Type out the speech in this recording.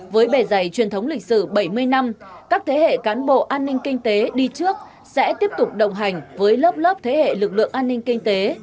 với bề dày truyền thống lịch sử bảy mươi năm các thế hệ cán bộ an ninh kinh tế đi trước sẽ tiếp tục đồng hành với lớp lớp thế hệ lực lượng an ninh kinh tế